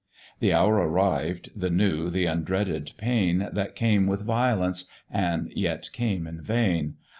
"The hour arrived, the new, th' undreaded pain, That came with violence, and yet came in vain.